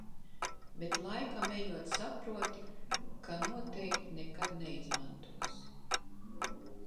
Bet laikam ejot saproti, ka noteikti nekad neizmantosi...